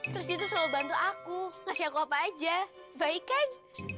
terus dia tuh selalu bantu aku ngasih aku apa aja baik aja